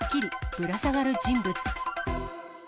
ぶら下がる人物。